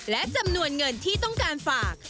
และจำนวนเงินที่ต้องการฝาก